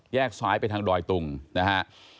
ซ้ายไปทางดอยตุงนะฮะ